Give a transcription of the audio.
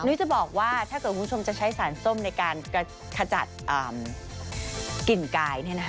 นุ้ยจะบอกว่าถ้าเกิดคุณผู้ชมจะใช้สารส้มในการขจัดกลิ่นกายเนี่ยนะฮะ